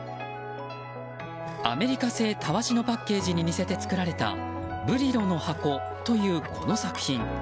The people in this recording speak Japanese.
アメリカ製たわしのパッケージに似せて作られた「ブリロの箱」という作品。